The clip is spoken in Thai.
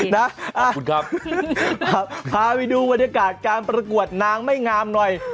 คุณครับพาไปดูบรรยากาศการประกวดนางไม่งามหน่อย